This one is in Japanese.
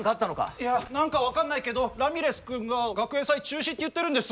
いや何か分かんないけどラミレス君が学園祭中止って言ってるんです。